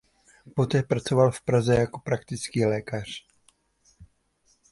Poté pracoval v Praze jako praktický lékař.